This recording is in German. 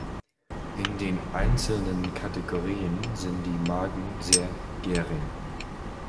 In den einzelnen Kategorien sind die Margen sehr gering.